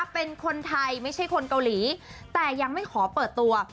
เป็นคนไทยไม่ใช่คนเกาหลีแต่ยังไม่ขอเปิดตัว